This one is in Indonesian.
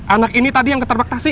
anak ini tadi yang keterprektasi